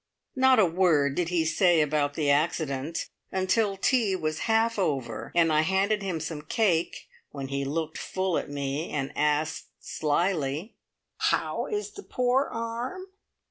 Not a word did he say about the accident until tea was half over and I handed him some cake, when he looked full at me, and asked slyly: "How is the poor arm?"